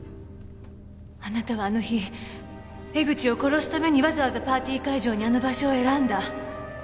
あなたはあの日江口を殺すためにわざわざパーティー会場にあの場所を選んだ。